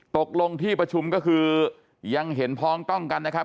ตกลงที่ประชุมก็คือยังเห็นพ้องต้องกันนะครับ